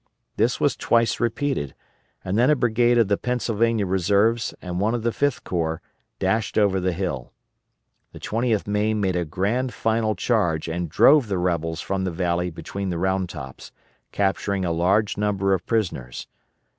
This was twice repeated and then a brigade of the Pennsylvania Reserves and one of the Fifth Corps dashed over the hill. The 20th Maine made a grand final charge and drove the rebels from the valley between the Round Tops, capturing a large number of prisoners.